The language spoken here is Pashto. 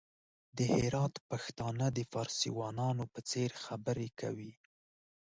د هرات پښتانه د فارسيوانانو په څېر خبري کوي!